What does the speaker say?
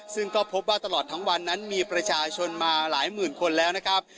ซึ่งก็พบว่าตลอดทั้งวันนั้นมีประชาชนมาหลายหมื่นคนแล้วนะครับ